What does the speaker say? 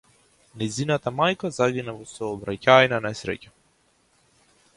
Нејзината мајка загина во сообраќајна несреќа.